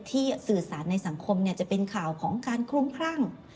สื่อสารในสังคมจะเป็นข่าวของการคลุ้มครั่ง